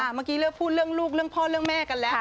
เมื่อกี้เลือกพูดเรื่องลูกเรื่องพ่อเรื่องแม่กันแล้ว